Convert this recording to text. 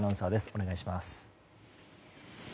お願いします。